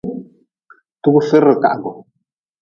Tugfidrekahgu.